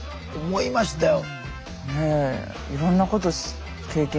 思いましたよ。